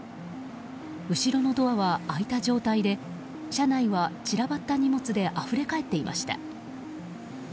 後ろのドアは開いた状態で車内は散らばった荷物であふれ返っていました。